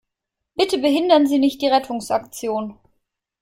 Bitte behindern Sie nicht die Rettungsaktion!